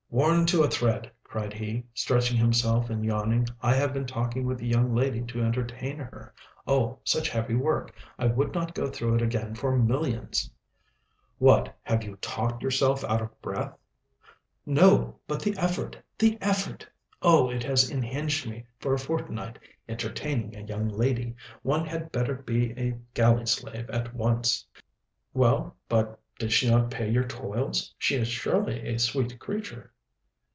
worn to a thread!" cried he, stretching himself and yawning; "I have been talking with a young lady to entertain her! oh, such heavy work! I would not go through it again for millions!" "What, have you talked yourself out of breath?" "No; but the effort! the effort! Oh, it has unhinged me for a fortnight! Entertaining a young lady! one had better be a galley slave at once!" "Well, but did she not pay your toils? She is surely a sweet creature."